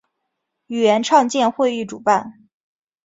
语言创建会议主办。